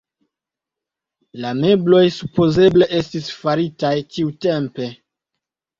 La mebloj supozeble estis faritaj tiutempe.